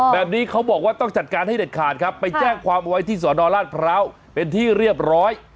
แบบนี้เขาบอกว่าต้องจัดการให้เด็ดขาดครับไปแจ้งความเอาไว้ที่สอนอราชพร้าวเป็นที่เรียบร้อย